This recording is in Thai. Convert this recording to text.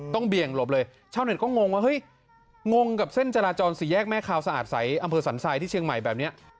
เบี่ยงหลบเลยชาวเน็ตก็งงว่าเฮ้ยงงกับเส้นจราจรสี่แยกแม่คาวสะอาดใสอำเภอสันทรายที่เชียงใหม่แบบนี้